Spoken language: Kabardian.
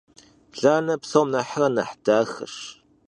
Lane psom nexhre nexh daxeş.